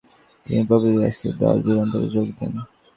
তিনি বিপ্লবী রাজনৈতিক দল যুগান্তরে'' যোগ দেন।